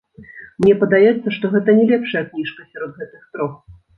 Мне падаецца, што гэта не лепшая кніжка сярод гэтых трох.